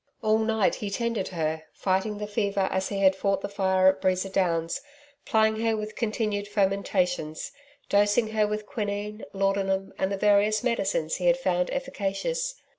All night he tended her, fighting the fever as he had fought the fire at Breeza Downs, plying her with continued fomentations, dosing her with quinine, laudanum and the various medicines he had found efficacious.